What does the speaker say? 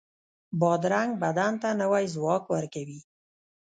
بادرنګ بدن ته نوی ځواک ورکوي.